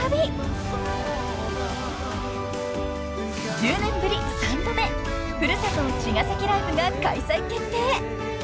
［１０年ぶり３度目古里茅ヶ崎ライブが開催決定］